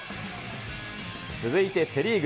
続いてセ・リーグ。